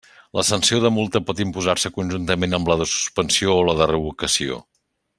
La sanció de multa pot imposar-se conjuntament amb la de suspensió o la de revocació.